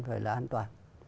phải là an toàn